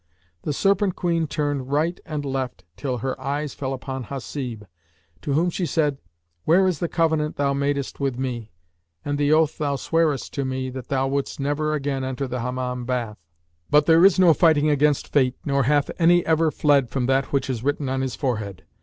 The Serpent queen turned right and left, till her eyes fell upon Hasib, to whom said she "Where is the covenant thou madest with me, and the oath thou swearest to me, that thou wouldst never again enter the Hammam bath? But there is no fighting against Fate nor hath any ever fled from that which is written on his forehead.